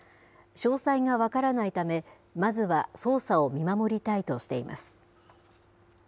詳細が分からないため、まずは捜査を見守りたいとしています。